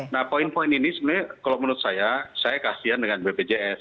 nah poin poin ini sebenarnya kalau menurut saya saya kasihan dengan bpjs